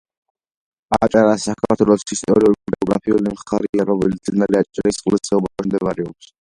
აჭარა საქართველოს ისტორიულ-გეოგრაფიული მხარეა, რომელიც მდინარე აჭარისწყლის ხეობაში მდებარეობს.